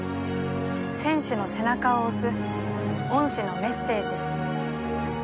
選手の背中を押す恩師のメッセージ。